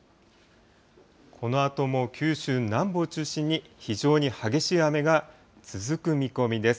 このあとも九州南部を中心に、非常に激しい雨が続く見込みです。